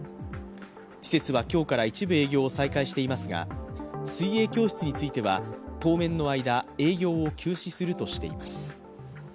施設は今日から一部営業を再開していますが、水泳教室については、当面の間営業を休止するとしています。